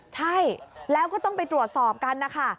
ใช่แล้วก็ต้องไปตรวจสอบกันนะคะ